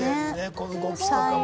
この動きとかも。